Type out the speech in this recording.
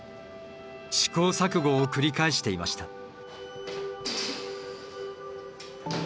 試行錯誤を繰り返していました。